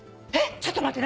ちょっと待って何？